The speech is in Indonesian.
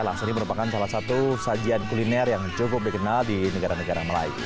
langsari merupakan salah satu sajian kuliner yang cukup dikenal di negara negara melayu